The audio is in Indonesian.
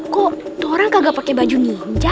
kok itu orang nggak pakai baju ninja